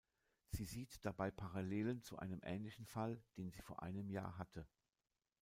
Sie sieht dabei Parallelen zu einem ähnlichen Fall, den sie vor einem Jahr hatte.